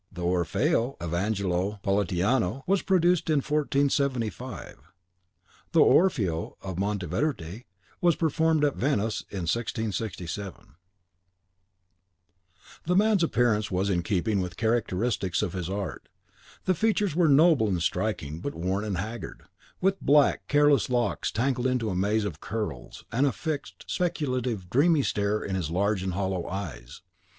The Orfeo of Angelo Politiano was produced in 1475. The Orfeo of Monteverde was performed at Venice in 1667.) This man's appearance was in keeping with the characteristics of his art. The features were noble and striking, but worn and haggard, with black, careless locks tangled into a maze of curls, and a fixed, speculative, dreamy stare in his large and hollow eyes.